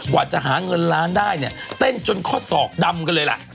กว่าจะหาเงินล้านได้เนี่ยเต้นจนข้อศอกดำกันเลยล่ะ